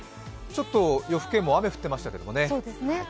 ちょっと夜更けも雨が降ってましたもんね。